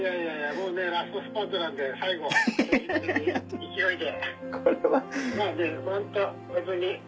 もうねラストスパートなんで最後勢いで。